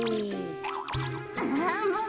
あもう！